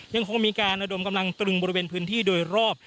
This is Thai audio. ยังคงมีการระดมกำลังตรึงบริเวณพื้นที่โดยรอบ